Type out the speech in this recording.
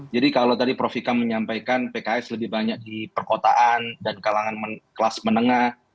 jadi kalau tadi profi kam menyampaikan pks lebih banyak di perkotaan dan kalangan kelas menengah